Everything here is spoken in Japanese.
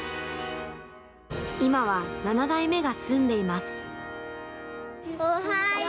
今は７代目が住んでいます。